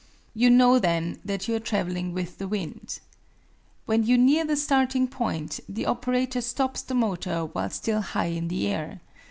You know then that you are traveling with the wind. When you near the starting point the operator stops the motor while still high in the air.